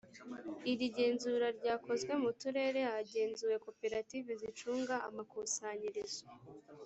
iri genzura ryakozwe mu turere hagenzuwe koperative zicunga amakusanyirizo